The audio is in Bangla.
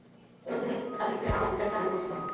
এবং তিনি সালিম ইবনে আবু হুজাইফা নামে পরিচিত হন।